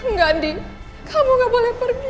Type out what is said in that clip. ganti kamu gak boleh pergi